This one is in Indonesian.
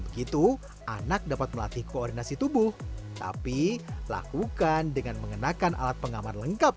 begitu anak dapat melatih koordinasi tubuh tapi lakukan dengan mengenakan alat pengaman lengkap